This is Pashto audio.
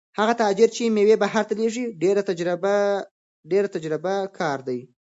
هغه تجار چې مېوې بهر ته لېږي ډېر تجربه کار دی.